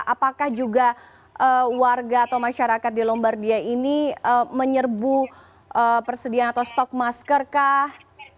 apakah juga warga atau masyarakat di lombardia ini menyerbu persediaan atau stok masker kah